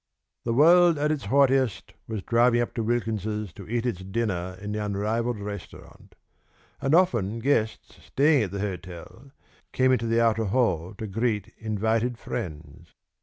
The world at its haughtiest was driving up to Wilkins's to eat its dinner in the unrivalled restaurant, and often guests staying at the hotel came into the outer hall to greet invited friends.